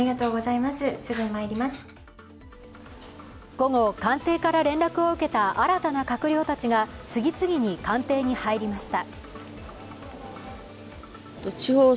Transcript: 午後、官邸から連絡を受けた新たな閣僚たちが次々に官邸に入りました。